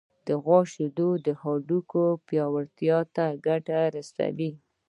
د غوا شیدې د هډوکو پیاوړتیا ته ګټه رسوي.